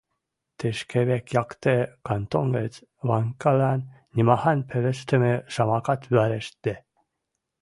Тишкевек якте кантон гӹц Ванькалан нимахань пелештӹмӹ шамакат вӓрештде.